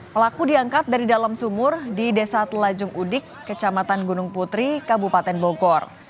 pelaku diangkat dari dalam sumur di desa telajung udik kecamatan gunung putri kabupaten bogor